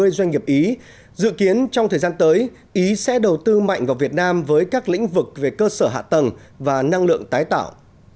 ba mươi doanh nghiệp ý dự kiến trong thời gian tới ý sẽ đầu tư mạnh vào việt nam với các lĩnh vực về cơ sở hạ tầng và năng lượng tái tạo